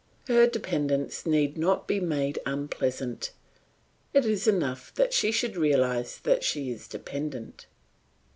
Her dependence need not be made unpleasant, it is enough that she should realise that she is dependent.